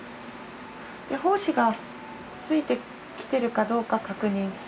胞子がついてきてるかどうか確認する？